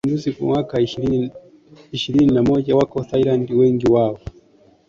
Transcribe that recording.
waliokuwa wamekimbia mapinduzi mwaka ishirini ishirini na moja wako Thailand wengi wao